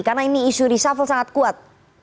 karena ini isu reshuffle sangat kuat